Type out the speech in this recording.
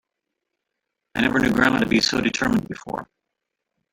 I never knew grandma to be so determined before.